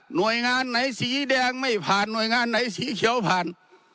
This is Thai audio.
หน่วยงานไหนสีแดงไม่ผ่านหน่วยงานไหนสีเขียวผ่าน